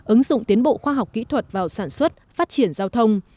ứng dụng tiến bộ khoa học kỹ thuật vào sản xuất phát triển giao thông